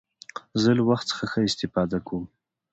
زه له وخت څخه ښه استفاده کوم.